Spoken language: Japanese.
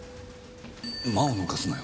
「マ」を抜かすなよ。